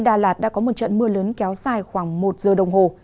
đà lạt đã có một trận mưa lớn kéo dài khoảng một giờ đồng hồ